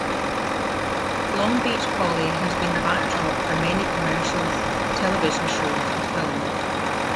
Long Beach Poly has been the backdrop for many commercials, television shows, and films.